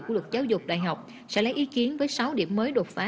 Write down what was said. của luật giáo dục đại học sẽ lấy ý kiến với sáu điểm mới đột phá